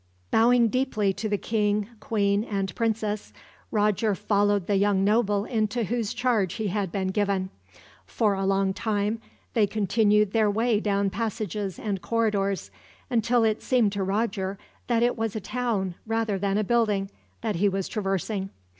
Bowing deeply to the king, queen, and princess, Roger followed the young noble into whose charge he had been given. For a long time they continued their way down passages and corridors, until it seemed to Roger that it was a town, rather than a building, that he was traversing.